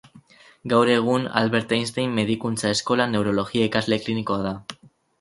Gaur egun Albert Einstein Medikuntza Eskolan neurologia irakasle klinikoa da.